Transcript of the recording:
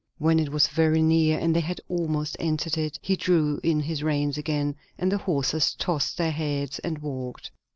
When it was very near and they had almost entered it, he drew in his reins again and the horses tossed their heads and walked.